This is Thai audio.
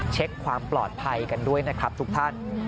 เช็คความปลอดภัยกันด้วยนะครับทุกท่าน